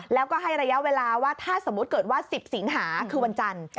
แล้วก็ให้ระยะเวลาว่าถ้าสมมุติเกิดว่า๑๐สิงหาคือวันจันทร์